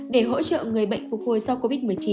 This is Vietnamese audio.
để hỗ trợ người bệnh phục hồi sau covid một mươi chín